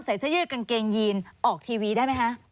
ใส่เสื้อยืดกางเกงยีนออกทีวีได้ไหมคะ